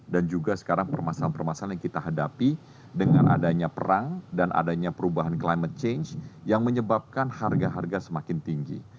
dan juga sekarang permasalahan permasalahan yang kita hadapi dengan adanya perang dan adanya perubahan climate change yang menyebabkan harga harga semakin tinggi